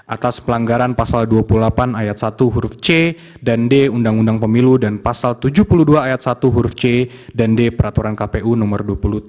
atas pelanggaran pasal dua puluh delapan ayat satu huruf c dan d undang undang pemilu dan pasal tujuh puluh dua ayat satu huruf c dan d peraturan kpu nomor dua puluh tujuh